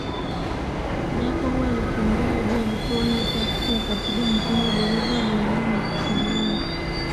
Jacob alitembea hadi alipoona taksi akapiga mkono dereva alimuona na kusimama